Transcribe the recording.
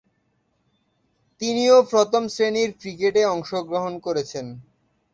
তিনিও প্রথম-শ্রেণীর ক্রিকেটে অংশগ্রহণ করেছেন।